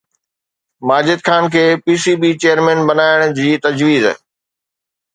ماجد خان کي P C B chairman بڻائڻ جي تجويز